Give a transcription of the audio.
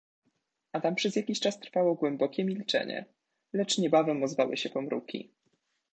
A tam przez jakiś czas trwało głębokie milczenie, lecz niebawem ozwały się pomruki.